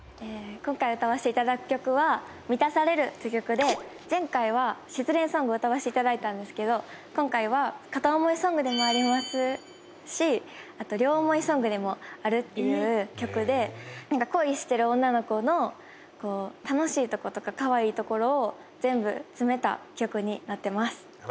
今回歌わせていただく曲は『満たされる』という曲で前回は失恋ソングを歌わせていただいたんですけど今回は片想いソングでもありますしあと両想いソングでもあるっていう曲で恋してる女の子の楽しいとことかかわいいところを全部詰めた曲になってます。